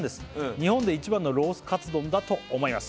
「日本で一番のロースカツ丼だと思います」